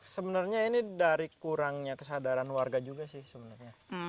sebenarnya ini dari kurangnya kesadaran warga juga sih sebenarnya